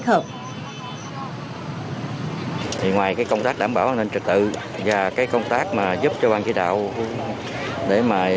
cho tiêm là toàn thể công ty luôn một trăm linh